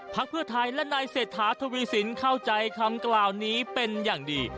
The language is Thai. เพื่อไทยและนายเศรษฐาทวีสินเข้าใจคำกล่าวนี้เป็นอย่างดี